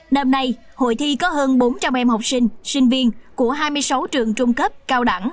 năm nay hội thi có hơn bốn trăm linh em học sinh sinh viên của hai mươi sáu trường trung cấp cao đẳng